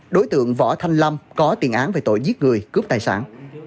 đối tượng võ thanh lâm có tiền án về tội giết người cướp tài sản